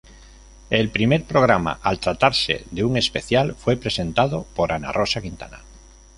El primer programa, al tratarse de un especial, fue presentado por Ana Rosa Quintana.